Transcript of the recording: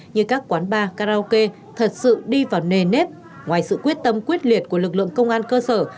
như các quán bar karaoke thật sự đi vào nề nếp ngoài sự quyết tâm quyết liệt của lực lượng công an cơ sở